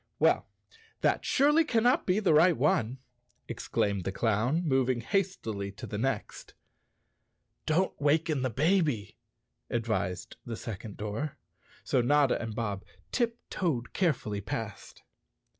"Well, that surely cannot be the right one," ex¬ claimed the clown, moving hastily to the next. "Don't waken the baby," advised the second door. 72 Chapter Six So Notta and Bob tiptoed carefully past.